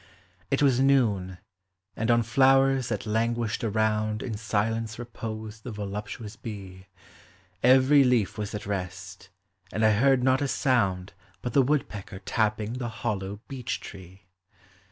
" It was noon, and on flowers that languished around In silence reposed the voluptuous bee; Every leaf was at rest, and 1 heard not a sound But the woodpecker tapping the hollow beech tree.